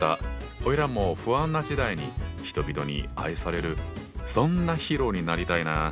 オイラも不安な時代に人々に愛されるそんなヒーローになりたいな。